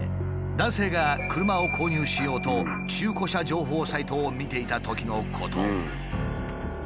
男性が車を購入しようと中古車情報サイトを見ていたときのこと。